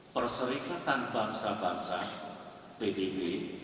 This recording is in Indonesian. perserikatan bangsa bangsa pdb